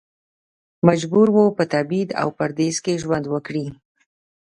مجبور و په تبعید او پردیس کې ژوند وکړي.